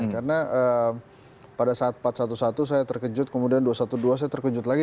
karena pada saat empat ratus sebelas saya terkejut kemudian dua ratus dua belas saya terkejut lagi